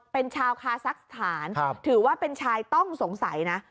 เป็นชาวคาซักสถานถือว่าเป็นชายต้องสงสัยนะ